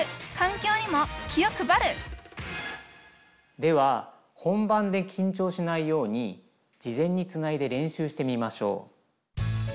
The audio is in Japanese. では本番で緊張しないように事前につないで練習してみましょう。